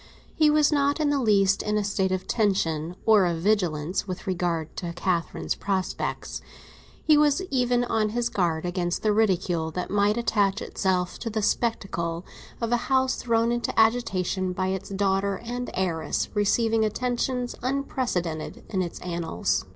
He was not in the least in a state of tension or of vigilance with regard to Catherine's prospects; he was even on his guard against the ridicule that might attach itself to the spectacle of a house thrown into agitation by its daughter and heiress receiving attentions unprecedented in its annals.